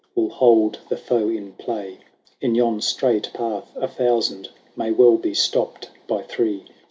Will hold the foe in play. In yon strait path a thousand May well be stopped by three.